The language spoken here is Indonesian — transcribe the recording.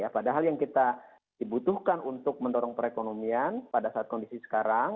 padahal yang kita dibutuhkan untuk mendorong perekonomian pada saat kondisi sekarang